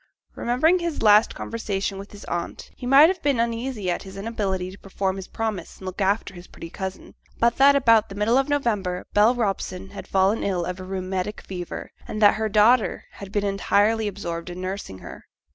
Remembering his last conversation with his aunt, he might have been uneasy at his inability to perform his promise and look after his pretty cousin, but that about the middle of November Bell Robson had fallen ill of a rheumatic fever, and that her daughter had been entirely absorbed in nursing her.